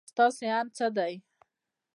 ستاسو اند څه دی؟